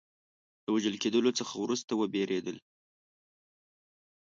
له وژل کېدلو څخه وروسته وبېرېدل.